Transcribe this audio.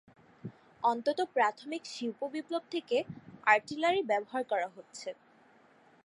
অন্তত প্রাথমিক শিল্প বিপ্লব থেকে আর্টিলারি ব্যবহার করা হচ্ছে।